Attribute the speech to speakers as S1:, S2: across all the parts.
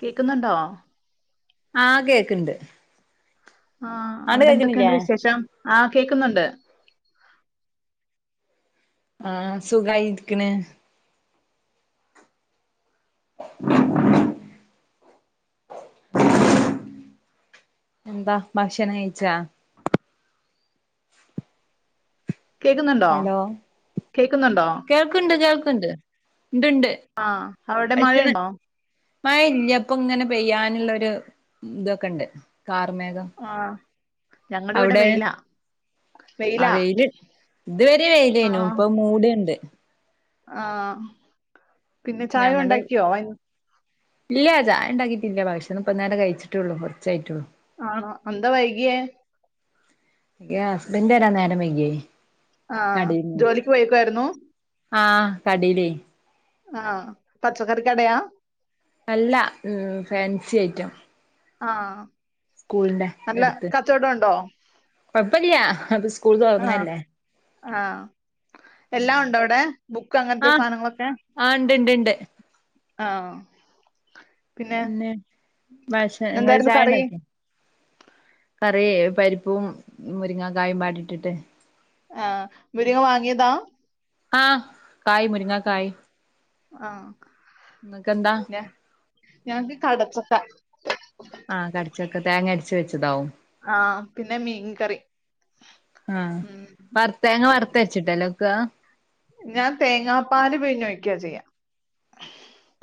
S1: കേക്കുന്നുണ്ടോ
S2: ആ കേക്ക്ണ്ട്
S1: ആ
S2: ആണ്ട്
S1: അവിടെ
S2: കേക്ക്ണില്ലേ
S1: എന്തൊക്കെയുണ്ട് വിശേഷം ആ കേക്കുന്നുണ്ട്
S2: ആ സുഖമായിരിക്ക്ണ് [unintelligible] എന്താ ഭക്ഷണം കഴിച്ചാ?
S1: കേക്കുന്നുണ്ടോ
S2: ഹലോ
S1: കേക്കുന്നുണ്ടോ
S2: കേൾക്ക്ണ്ട് കേൾക്ക്ണ്ട് ഇണ്ട്ണ്ട്
S1: ആ അവിടെ
S2: ഭക്ഷണം
S1: മഴയുണ്ടോ?
S2: മഴ ഇല്ലപോ ഇങ്ങനെ പെയ്യാനുള്ളരു ഇതൊക്കെ ഇണ്ട് കാർമേഘം
S1: ആഹ് ഞങ്ങടെ ഇവിടെ
S2: അവിടെ
S1: വെയിലാ.
S2: ആ
S1: വെയിലാ
S2: വെയില് ഇതുവരെ വെയില്നു ഇപ്പൊ മൂടിണ്ട്
S1: ആ പിന്നെ ചായ
S2: ഞങ്ങട്
S1: ഉണ്ടാക്കിയോ [unintelligible]
S2: ഇല്ല ചായ ഉണ്ടാക്കിട്ടില്ല ഭക്ഷണം ഇപ്പന്നാരെ കഴിച്ചിട്ടെള്ളൂ കുറച്ചായിട്ടുള്ളൂ
S1: ആ എന്താ വൈകിയേ
S2: എ ഹസ്ബൻന്റ് വര നേരം വൈക്യേ
S1: ആ ജോലിക്ക് പോയേക്കുവായിരുന്നു
S2: ആഹ് കടയിലേ
S1: ആ പച്ചക്കറി കടയാ
S2: അല്ല ഉം ഫാൻസി സി ഐറ്റം
S1: ആ
S2: സ്കൂളിന്റെ അടുത്ത് കൊഴപ്പില്ല അത് സ്കൂൾ
S1: ആഹ്
S2: തുറന്നല്ലേ
S1: ആഹ് എല്ലാം ഉണ്ടോ അവിടെ? ബുക്ക്
S2: ആ
S1: അങ്ങനത്തെ
S2: ആ ഇണ്ട് ഇണ്ട് ഇണ്ട്
S1: ആ
S2: പിന്നെ ഭശ നിങ്ങള്
S1: ഇന്നെന്തായിരുന്നു
S2: ചായ
S1: കറി?
S2: ഉണ്ടാക്കിയ കറി പരിപ്പവും മുരിങ്ങ കായുംപാടെട്ടിട്ട്
S1: ആ മുരിങ്ങ വാങ്ങിയതാ
S2: ആ കായ് മുരിങ്ങ കായ്
S1: ആഹ്
S2: നിങ്ങക്ക് എന്താ
S1: ക്ക
S2: ആഹ് കടച്ചക്ക തേങ്ങ അരച്ച് വെച്ചതാവും
S1: ആഹ് പിന്നെ മീൻകറി
S2: ആ
S1: ഉം
S2: വറു തേങ്ങ വറുത്ത വെച്ചിട്ടല്ലോ കുക്ക
S1: ഞാൻ തേങ്ങാപ്പാല് പിഴിഞ്ഞൊഴുക്കിയ ചെയ്യാ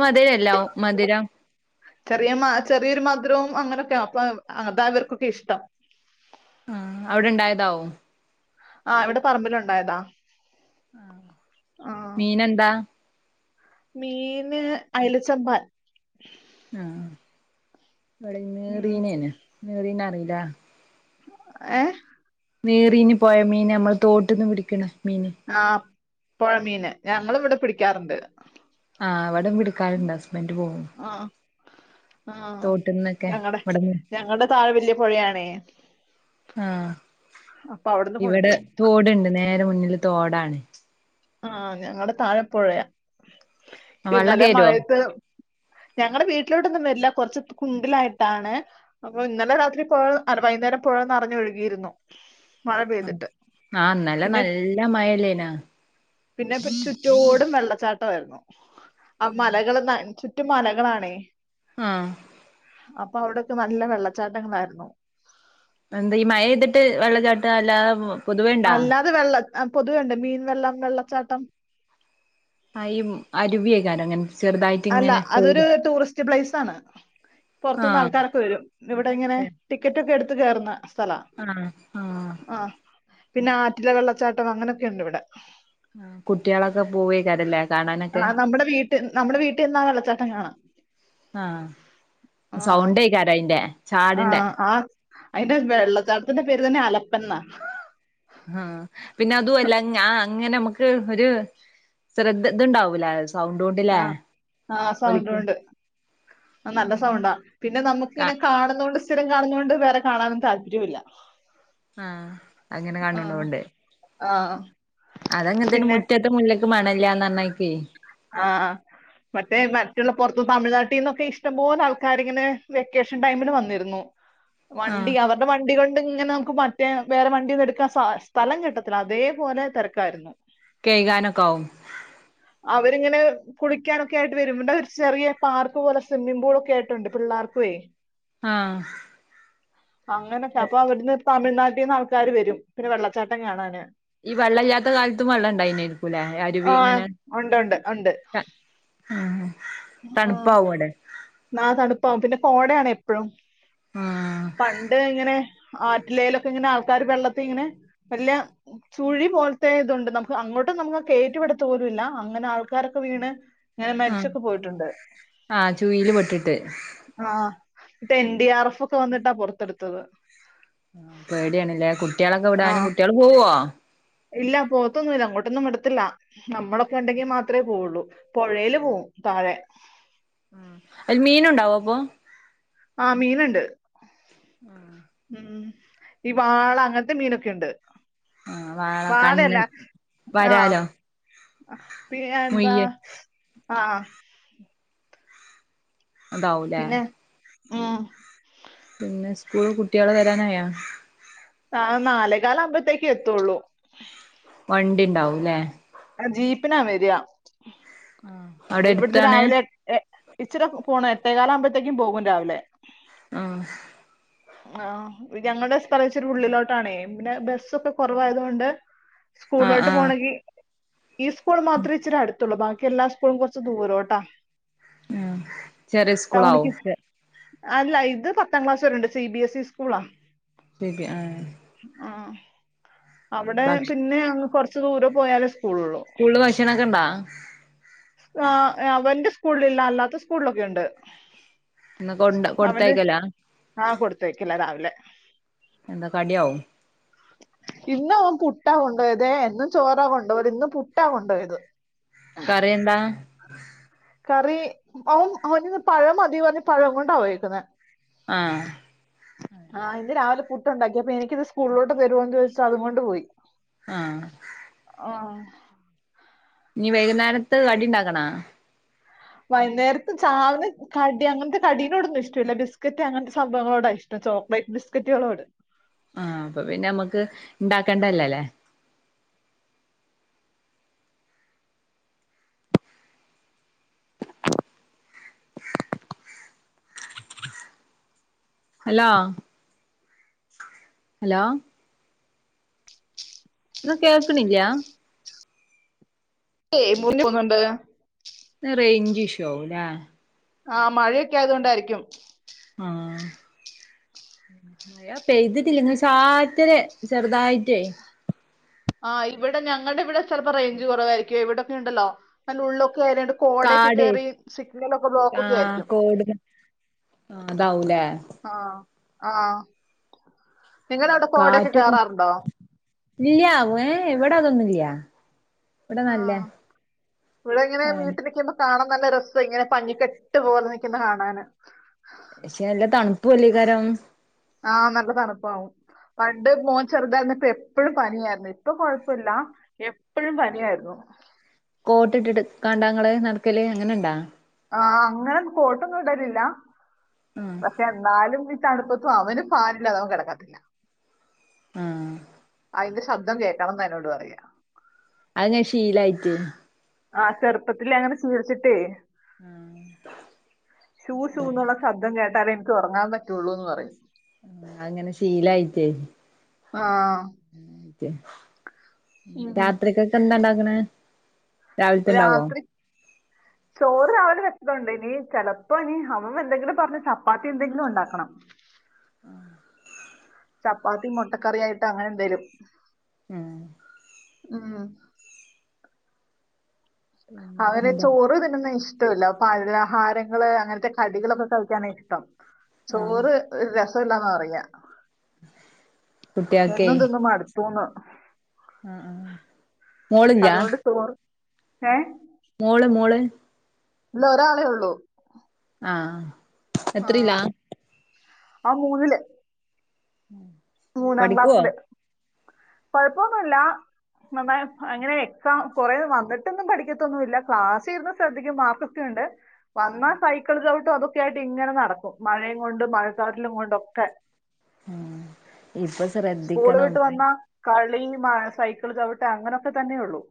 S2: മധുരംല്ലാവും മധുരം
S1: ചെറിയ മ ചെറിയൊരു മധുരവും അങ്ങനെയൊക്കെ അപ്പൊ അതാ ഇർക്കൊക്കെ ഇഷ്ടം
S2: ആ അവിടെ ഇണ്ടായതാവും
S1: ആഹ് ഇവിടെ പറമ്പിൽ ഉണ്ടായതാ
S2: ആ മീന് എന്താ
S1: മീന് അയലച്ചമ്പാൻ
S2: ആ [unintelligible]
S1: ഉം
S2: നിറിന്നറീല
S1: ഏ
S2: നീറിന്ന് പോയ മീൻ നമ്മൾ തോട്ടീന്ന് പിടിക്കണ മീന്
S1: ആഹ് പുഴമീന് ഞങ്ങളും ഇവിടെ പിടിക്കാറുണ്ട്
S2: ആഹ് അവിട പിടുക്കാറുണ്ട് ഹസ്ബൻഡ് പോകും
S1: ആഹ് ആഹ്
S2: തോട്ടിന്നൊക്കെ
S1: ഞങ്ങടെ
S2: ഇവിടെന്ന്
S1: ഞങ്ങടെ താഴെ വല്യ പൊഴയാണേ
S2: ആഹ്
S1: അപ്പൊ അവിടുന്ന്
S2: ഇവിടെ
S1: കൊണ്ടുവരും
S2: തോടുണ്ട് നേ നേരെ മുന്നിൽ തോടാണ്
S1: ആഹ് ഞങ്ങടെ താഴ പുഴയാ
S2: വെള്ളം
S1: ഇന്നലെ
S2: കേറുവോ
S1: മഴയത്ത് ഞങ്ങളടെ വീട്ടിലോട്ടൊന്നും വരില്ല കുറച്ച് കുണ്ടിലായിട്ടാണ് അപ്പൊ ഇന്നലെ രാത്രി പോഴ വൈകുന്നേരം പുഴ നിറഞ്ഞ് ഒഴുകിയിരുന്നു
S2: ആ ഇന്നലെ നല്ല മഴയല്ലയിന
S1: പിന്നെ ചുറ്റോടും വെള്ളച്ചാട്ടവായിരുന്നു ആഹ് മലകൾ ചു റ്റും മലകളണേ
S2: ആഹ്
S1: അപ്പൊ അവിടോക്കെ നല്ല വെള്ളച്ചാട്ടങ്ങാളയിരുന്നു
S2: എന്താ ഈ മയ പെയ്തിട്ട് വെള്ളച്ചാട്ട അല്ലാതെ പൊതുവേ ഇണ്ടാ
S1: അല്ലാതെ വെള്ള ആഹ് പൊതുവെയുണ്ട് മീൻ വെള്ളം വെള്ളച്ചാട്ടം
S2: ആഹ് ഇ അരുവിയ അങ്ങനെ ചെറുതായിട്ട്
S1: അല്ല
S2: ഇങ്ങനെ തോട്
S1: അതൊരു ടൂറിസ്റ്റ് പ്ലേസ് ആണ് പുറത്ത്ന്ന്
S2: ആഹ്
S1: ആൾക്കാരൊക്കെ വരും ഇവിടെ ഇങ്ങനെ ടിക്കറ്റൊക്കെ എടു ത്ത് കേയറുന്ന
S2: ആഹ് ആഹ്
S1: പിന്നെ ആറ്റില വെള്ളച്ചാട്ടം അങ്ങനൊക്കെ ഉണ്ട് ഇവിടെ
S2: ആഹ് കുട്ടികളൊക്കെ പോവേക്കരല്ലേ കാണാനൊക്കെ
S1: ആ നമ്മുടെ വീട്ടിൽ നമ്മുടെ വീട്ടിൽ നിന്നാ വെള്ളച്ചാട്ടം കാണാം
S2: ആഹ് സൗണ്ടയിക്കരായിന്റെ
S1: ആഹ് ആ അയിന്റെ വെള്ളച്ചാട്ടത്തിന്റെ പേര് തന്നെ അല പെണ്ണാ
S2: ആഹ് പിന്നെ അതുവല്ല ഞ അങ്ങനെ നമുക്ക് ഒരു ശ്രദ്ധ ഇതുണ്ടാവൂല സൗണ്ടോണ്ട്ല്ലേ
S1: ആഹ് ആഹ് സൗണ്ട്
S2: ഒലിക്ക്ണ
S1: ഉണ്ട് ആ നല്ല സൗണ്ടാ പിന്നെ നമുക്ക്
S2: കാ
S1: ഇങ്ങനെ കാണുന്നോണ്ട് സ്ഥിരം കാണുന്നോണ്ട് വേറെ കാണാനും താല്പര്യമില്ല
S2: ആഹ് അങ്ങനെ കാണുണോണ്ട്
S1: ആഹ്
S2: അതങ്ങനെ തന്നെ മുറ്റത്തെ മുല്ലക്ക് മണെല്ലാന്ന് [unintelligible]
S1: ആഹ് മറ്റേ മറ്റുള്ള പുറത്ത് തമിഴ്നാട്ടിന്നൊക്കെ ഇഷ്ടം പോലെ ആൾക്കാരിങ്ങനെ വെക്കേഷൻ ടൈമിൽ വന്നിരുന്നു വണ്ടി
S2: ആഹ്
S1: അവരുടെ വണ്ടി കൊ ഇങ്ങനെ നമുക്ക് മറ്റേ വേറെ വണ്ടി ഒന്നും എടുക്കാൻ സ്‌ സ്ഥലം കിട്ടത്തില്ല അതേപോലെ തെരക്കാരുന്നു
S2: കെയ്കാനൊക്കെ ആവും
S1: അവരിങ്ങനെ കുളിക്കാനൊക്കെ ആയിട്ട് വരുംഇവിടെ ഒരു ചെറിയ പാർക്ക് പോലെ സ്വിമ്മിംഗ് പൂൾ ഒക്കെ ആയിട്ടുണ്ട് പിള്ളേർക്കുവേ
S2: ആഹ്
S1: അങ്ങനൊക്കെ അപ്പ അവിടുന്ന് തമിഴ്നാ ട്ടീന്ന് ആൾക്കാാര് വരും പിന്നെ വെള്ളച്ചാട്ടം കാണാന്
S2: ഈ വെള്ളല്ലാത്ത കാലത്തും വെള്ളണ്ടായിന് വുലെ അരുവി
S1: ആ
S2: ഇങ്ങനെ
S1: ഉണ്ട് ഉണ്ട്
S2: ആ
S1: മ്മ് നാ തണു ഒ പിന്നെ കോടയാണ് എപ്പോഴും
S2: ആഹ്
S1: പണ്ട് ഇങ്ങനെ ആറ്റിലയിലൊക്കെ ഇങ്ങനെ ആൾക്കാർ വെള്ളത്തി ഇങ്ങനെ വലി യ ചുഴി പോലത്തെ ഇതുണ്ട് നമുക്ക് അങ്ങോട്ടും നമുക്ക് കേറ്റിവിടാത്തപോലുല്ല അങ്ങനെ ആൾക്കാരൊക്കെ വീണ് ഞനെ മരിച്ചു
S2: ആ ചൂയില് പെട്ടിട്ട്
S1: ട്ട് എൻ ഡി ആർ എഫ് ഒക്കെ വന്നിട്ടാ പൊറത്തെടുത്തത്
S2: ആ പേടിയണില്ലേ കുട്ടികളൊക്കെ
S1: ആ
S2: വിടാനും കുട്ടികൾ പോവുവോ
S1: ഇല്ല പോത്തൊന്നുല്ല അങ്ങോട്ടൊന്നും വിടത്തില്ല നമ്മളൊക്കെ ഉണ്ടെങ്കിൽ മാത്രമേ പോവുള്ളൂ പുഴയില് പോവും താഴെ
S2: മ്മ് ല് മീൻ ഉണ്ടാവോ അപ്പൊ
S1: ആ മീനുണ്ട്
S2: ആണോ
S1: ഉം ഈ വാള അങ്ങനത്തെ മീനൊക്കെ ഒണ്ട്
S2: ആ വള കണ് വരാലോ
S1: ആ പി എന്താ
S2: മുയ്യൻ
S1: ആ
S2: അതാവൂലേ
S1: മ്
S2: പിന്നെ സ്കൂള് കുട്ടികള് വരാനായോ
S1: ആ നാലേ കാല ആകുമ്പത്തേക്ക് എത്തുള്ളൂ
S2: വണ്ടി ഉണ്ടാവുംല്ലേ
S1: ആ ജീപ്പിനാ വരിയാ
S2: ആ അവിടെ എടുത്താണ്
S1: എട്ട്- എ ഇച്ചിരി പോണം എട്ടേക്കാല ആവുമ്പോഴത്തേക്കും പോകും രാവിലെ
S2: ആ
S1: ആ ഞങ്ങളുടെ സ്ഥലം ഇച്ചിരി ഉള്ളിലോട്ടാണേ പിന്നെ ബസ്സൊക്കെ കുറവായത്കൊണ്ട്
S2: ആഹ്
S1: സ്കൂളിലോട്ട്
S2: ആഹ്
S1: പോണെങ്കി ഈ സ്കൂൾ മാത്രേ ഇച്ചിരി അടുത്തുള്ളൂ ബാക്കി എല്ലാ സ്കൂളും കുറച്ച് ദൂരോട്ടാ
S2: ഉം ചെറിയ സ്കൂളാവും
S1: ടൗണിക്ക് അല്ല ഇത് പത്താം ക്ലാസ് വരെണ്ട് സി ബി എസ് ഇ സ്കൂളാ.
S2: പി പി ആ
S1: ആഹ് അവിടെ പിന്നെ അങ്ങ് കൊറച്ച് ച്ച് ദൂരം പോയാലും
S2: സ്കൂളില് ഭക്ഷണക്കെ ഇണ്ടാ
S1: ആ അവന്റെ സ്കൂളിലില്ല അല്ലാത്ത സ്കൂളിലൊക്കെ ഉണ്ട്.
S2: ഇന്ന് കൊണ്ട്
S1: അവന്
S2: കൊടുത്തയക്കലാ
S1: ആ കൊടുത്തയക്കലാ രാവിലെ
S2: എന്താ കടിയാവും
S1: ഇന്ന് അവൻ പുട്ടാ കൊണ്ടു പോയതേ. എന്നും ചോറാ കൊണ്ടുപോവല്. ഇന്ന് പുട്ടാ കൊണ്ടു പോയത്.
S2: കറിയെന്താ?
S1: കറി അവൻ അവനിന്ന് പഴം മതി മതിന്ന്പറഞ്ഞ് പഴം കൊണ്ടാ പേയേക്കുന്നെ
S2: ആഹ്
S1: ആ ഇന്ന് രാവിലെ പുട്ടുണ്ടാക്കി. അപ്പ എനിക്കിന്ന് സ്കൂളിലോട്ട് തരുമോന്ന് ചോദിച്ച് അതുകൊണ്ട് പോയി
S2: ആ
S1: ആ
S2: ഇനി വൈകുന്നേരത്ത് കടി ഉണ്ടാക്കണാ
S1: വൈകുന്നേരത്ത് ചാവിന് കടി അങ്ങനത്തെ കടീനോടൊന്നും ഇഷ്ടല്ല. ബിസ്ക്കറ്റ് അങ്ങനത്തെ സംഭവങ്ങളോടാ ഇഷ്ടം. ചോക്ലേറ്റ് ബിസ്ക്കറ്റുകളോട്
S2: ആഹ് അപ്പൊ പിന്നെ നമ്മക്ക് ഇണ്ടാക്കണ്ടല്ലല്ലേ ഹലോ ഹലോ ഇത് കേൾക്കണില്ല?
S1: ല്ലേ. മുറിഞ്ഞ് പോക്ണ്ട്
S2: റേഞ്ച് ഇഷൂ ആവു ല്ലേ?
S1: ആ മഴയൊക്കെ ആയതോണ്ടായിരിക്കും.
S2: ആ മഴപെയ്തിട്ടില്ല നിസാരത്തിന് ചെറുതായിട്ടേ
S1: ആ ഇവിടെ ഞങ്ങളുടെ ഇവിടെ ചിലപ്പോ റേഞ്ച് കുറവായിരിക്കേ. ഇവിടൊക്കെ ഉണ്ടല്ലോ നല്ല ഉള്ളു ക്കെ [unintelligible] കോടയൊക്കെ
S2: കാട്
S1: കേറി സിഗ്നല് ഒക്കെ ബ്ലോക്ക് ഒക്കെ
S2: ആഹ്
S1: ആയിരിക്കും
S2: കോട് ആഹ് അതാവൂലേ
S1: ആഹ് ആഹ് നിങ്ങടെ അവിടെ കോടയെക്കെ
S2: കാറ്റൊക്കെ
S1: കേറാറുണ്ടോ?
S2: ഇല്ല ഏ ഇവിടതൊന്നും ഇല്ല
S1: ആ ഇവിടെ ഇങ്ങനെ
S2: ആനെ
S1: വീട്ടിലെക്കെ ആവുമ്പം കാണു ൻ നല്ല രസാ ഇങ്ങനെ പഞ്ഞിക്കെട്ട് പോലെ നിക്കുന്ന കാണാന്
S2: ഷെ നല്ല തണുപ്പ് പ്പു [unintelligible] കാരം
S1: ആ നല്ല തണുപ്പാവും, പണ്ട് മോൻ ചെറുതായിരുന്നിപ്പം എപ്പഴും പനിയായിരുന്നു, ഇപ്പൊ കൊഴപ്പയില്ല എപ്പഴും പനിയായിരുന്നു.
S2: കോട്ട് ഇട്ടിട്ട് കാണ്ടാ ഇങ്ങള് നടക്കല് അങ്ങനെ ഇണ്ടാ
S1: ആഹ് അങ്ങനെ കോട്ടൊന്നും ഇടലില്ല
S2: ആഹ്
S1: പക്ഷെ എന്നാലും ഈ തണുപ്പത്തും അവനു ഫാനില്ലാത അവൻ കെടക്കത്തില്ല
S2: ആഹ്
S1: അതിന്റെ ശബ്ദം കേക്കണെന്നാ എന്നോട് പറയാ.
S2: അതങ്ങനെ ശീലായിറ്റ്
S1: ആ ചെറുപ്പത്തിലെ അങ്ങനെ ശീലിച്ചിട്ടെ ശൂ ശൂ ന്നുള്ള ശബ്ദം കേ എനിക്ക് ഉറങ്ങാൻ പറ്റുള്ളൂ എന്ന് പറയും
S2: അങ്ങനെ ശീലയിട്ട്
S1: ആ
S2: [inaudible] രാത്രിക്കക്ക് എന്താണ്ട അങ്ങനെ രാവിലത്തെ ഇണ്ടാവോ
S1: രാത്രി ചോറ് രാവിലെ വെച്ചതുണ്ട് ഇനി ചിലപ്പോ ഇനി അമ്മ എന്തെങ്കിലും പറഞ്ഞ് ചപ്പാത്തി എന്തെങ്കിലും ഉണ്ടാക്കണം
S2: ആ
S1: ചപ്പാത്തി മുട്ടക്കറി ആയിട്ട് അങ്ങനെ എന്തേലും
S2: ആ
S1: ആ
S2: പിന്നെ
S1: അവന്
S2: എന്താ
S1: ചോറ് തിന്നുന്നയാ ഇഷ് ഇഷ്ടല്ല പലഹാരങ്ങള് അങ്ങനത്തെ കടികളൊക്കെ കഴിക്കാന ഇഷ്ട്ടം
S2: ആഹ്
S1: ചോറ് അല്ലാന്നാ പറയ എന്നും തിന്നു മടുത്തൂന്ന്
S2: ആഹ ആ മോളില്ലാ
S1: ഹഏ
S2: മോള് മോള്
S1: ഒരാളെ ഉള്ളൂ
S2: ആഹ
S1: ആ
S2: എത്രയില്ലാ
S1: ആ മൂന്നില് മൂന്നാം
S2: പഠിക്കുവോ
S1: ക്ലാസ്സില് കൊഴപ്പൊന്നുല്ല നമ്മ അങ്ങനെ എക്സാം കൊറെ വന്നിട്ടൊന്നും പഠിക്കത്തൊന്നുമല്ല ക്ലാസിഇരുന്നു ശ്രദ്ധിക്കും മാർക്ക് ഒക്കെുണ്ട് വന്നാൽ സൈക്കിൾ അതൊക്കെ ആയിട്ട് ഇങ്ങനെ നടക്കും മഴയും കൊണ്ട് മഴച്ചാറ്റലും കൊണ്ടൊക്കെ
S2: ഉ ഇപ്പൊ
S1: സ്കൂൾ
S2: ശ്രദ്ധിക്കണം
S1: വിട്ട് വന്നാ കളി സൈക്കിൾ ചവിട്ട അങ്ങനൊക്കെ തന്നെയള്ളൂ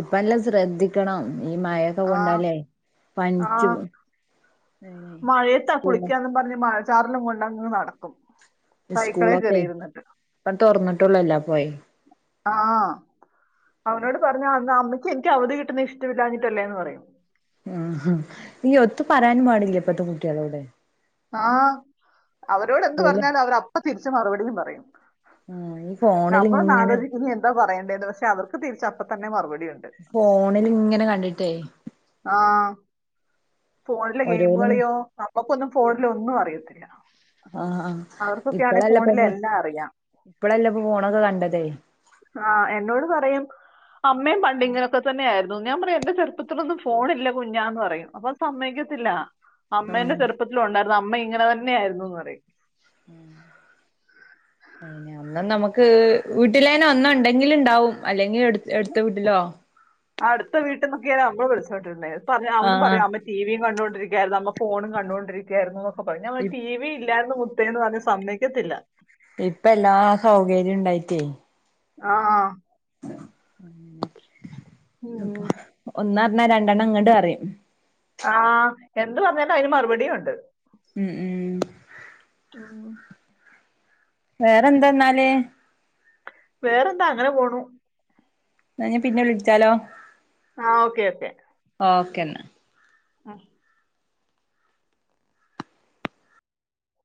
S2: ഇപ്പ എല്ലാം ശ്രദ്ധിക്കണം ഈ മഴയൊക്കെ
S1: ആ
S2: കൊണ്ടാലേ
S1: ആ
S2: പനിച്ച്
S1: ച്ചാറലും കൊണ്ടങ്ങ് നടക്കും സൈക്കിളെ
S2: സ്കൂളൊക്കെ
S1: കയറിയിരുന്നിട്ട്
S2: ഇപ്പം തുറന്നിട്ടുള്ളൊല്ലാ പോയെ
S1: ആഹ് അവനോട് പറഞ്ഞ അന്ന് അമ്മയ്ക്ക് എനിക്ക് അവധി കിട്ടുന്ന ഇഷ്ടമില്ലാഞ്ഞിട്ടല്ലേന്ന് പറയും
S2: ഉം ഉം ഈ ഒത്തു പറയാനും പാടില്ലേ ഇപ്പഴത്തെ കുട്ടികളോട്
S1: ആഹ് അവരോടെന്ത്
S2: ഓല്
S1: പറഞ്ഞാലും അവരപ്പ തിരിച്ച് മറുപടിയും പറയും
S2: ഉം ഈ ഫോണിൽ
S1: നമ്മളൊന്ന്
S2: ഇങ്ങനെ
S1: ആലോചിക്കും ഇനി എന്താ പറയണ്ടേന്ന് പക്ഷെ അവർക്ക് തിച്ചപ്പത്തന്നെ മറുപടി ഉണ്ട്
S2: ഫോണിൽ ഇങ്ങനെ കണ്ടിട്ടേ
S1: ആ ഫോണിലെ
S2: ഓരോന്നും
S1: ഗെയിമുകളിയോ നമുക്കൊന്നും ഫോണിലെ ഒന്നും അറിയത്തില്ല അവർക്കൊക്കെ ആണെങ്കിൽ
S2: ഇപ്പഴല്ല
S1: ഫോണിൽ
S2: നമ്മള്
S1: എല്ലാം അറിയാം
S2: ഇപ്പഴല്ല പോണത് കണ്ടതേ
S1: ആഹ് എന്നോട് പറയും അമ്മയും പണ്ട് ഇങ്ങനൊക്കെ തന്നെ ആയിരുന്നു ഞാൻ പറയും എന്റെ ചെറുപ്പത്തിലൊന്നും ഫോണില്ല കുഞ്ഞാന്ന് പറയും അപ്പൊ സമ്മതിക്കത്തില്ല അമ്മേന്റെ
S2: ആഹ്
S1: ചെറുപ്പത്തിലുണ്ടായിരുന്നു അമ്മ ഇങ്ങനെ തന്നെ ആയിരുന്നുന്ന് പറയും
S2: അന്ന് നമുക്ക് വീട്ടിലേന് ഒന്ന് ഉണ്ടെങ്കിൽ ഇണ്ടാവും അല്ലെങ്കിൽ എടുത്ത വീട്ടിലോ
S1: അടുത്ത വീട്ടിന്നൊക്കെയാ നമ്മള് വിളിച്ചോണ്ടിരുന് പറയാ അവനും
S2: ആഹ്
S1: പറയും അമ്മ ടിവിയും കണ്ടോണ്ട് ഇരിക്കുവാരുന്നു അമ്മ ഫോണും കണ്ടൊണ്ടിരിക്കായിരുന്നുന്ന് [unintelligible] ടിവി ഇൽ ല്ലാരുന്നു മുത്തേന്ന് പറഞ്ഞ സമ്മതിക്കത്തില്ല
S2: ഇപ്പ എല്ലാ സൗകര്യം ഉണ്ടായിട്ടേ
S1: ആഹ് ഉം.
S2: ഒന്നാ രണ്ടെണ്ണം ഇങ്ങോട്ട് പറയും
S1: ആഹ് എന്ത് പറഞ്ഞാലും അതിന് മറുപടിയും ഉണ്ട്
S2: ഉം ഉം
S1: [inaudible]
S2: വേറെന്താ എന്നാല്
S1: വേറെന്താ അങ്ങനെ പോണു
S2: എന്ന ഞാൻ പിന്നെ വിളിച്ചാലോ
S1: ആഹ് ഓക്കെ ഓക്കെ
S2: ഓക്കെ എന്നാ
S1: ആഹ്